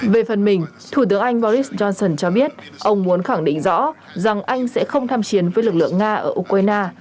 về phần mình thủ tướng anh boris johnson cho biết ông muốn khẳng định rõ rằng anh sẽ không tham chiến với lực lượng nga ở ukraine